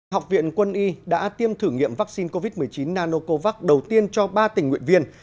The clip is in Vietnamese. học viện quân y đã tiêm thử nghiệm vaccine covid một mươi chín nanocovax đầu tiên cho ba tình nguyện viên